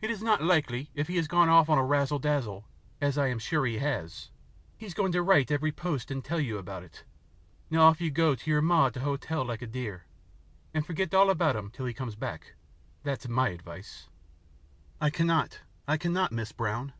It is not likely, if he has gone off on the razzle dazzle, as I am sure he has, he is going to write every post and tell you about it. Now you go off to your ma at the hotel like a dear, and forget all about him till he comes back that's MY advice." "I cannot, I cannot, Mrs. Brown.